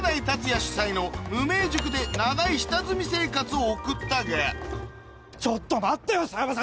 主宰の無名塾で長い下積み生活を送ったがちょっと待ってよ佐山さん